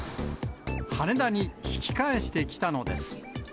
羽田に引き返してきたのです。